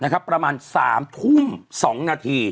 นะครับประมาณ๓ทุ่ม๒นาที